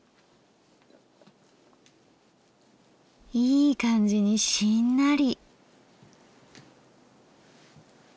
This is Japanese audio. いい感じにしんなり。